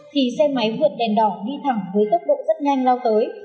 thì xe máy vượt đèn đỏ đi thẳng với tốc độ rất nhanh lao tới